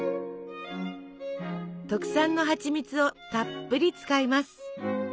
特産のはちみつをたっぷり使います。